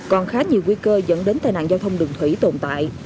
còn khá nhiều nguy cơ dẫn đến tai nạn giao thông đường thủy tồn tại